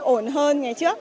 ổn hơn ngày trước